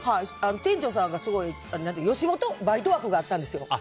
店長さんがすごい吉本バイト枠があったんですよ。